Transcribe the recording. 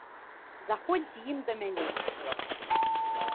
Заходзь з ім да мяне.